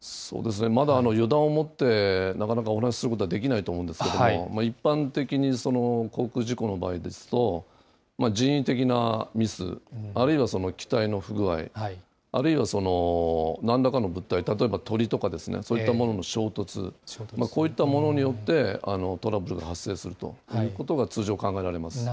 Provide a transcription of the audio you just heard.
まだ予断を持ってなかなかお話しすることはできないと思うんですけれども、一般的に航空事故の場合ですと、人為的なミス、あるいは機体の不具合、あるいはなんらかの物体、例えば鳥とかですね、そういったものの衝突、こういったものによって、トラブルが発生するということが通常考えられます。